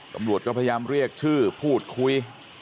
ตำรวจก็พยายามเรียกชื่อพูดคุย